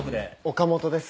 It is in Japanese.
岡本です。